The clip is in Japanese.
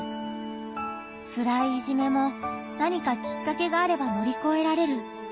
つらいいじめも何かきっかけがあれば乗り越えられる。